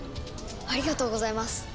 ありがとうございます。